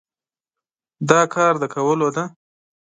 دا کار د کولو دی؟